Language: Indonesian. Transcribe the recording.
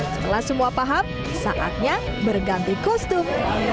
setelah semua paham saatnya berganti kostum